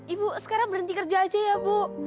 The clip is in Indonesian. ibu sekarang berhenti kerja aja ya bu